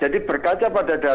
jadi berkaca pada